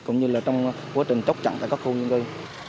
cũng như trong quá trình chốt chặn ngay